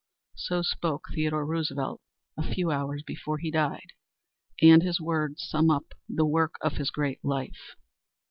So spoke Theodore Roosevelt a few hours before he died, and his words sum up the work of his great life.